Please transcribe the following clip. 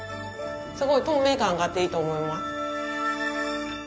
すごい透明感があっていいと思います。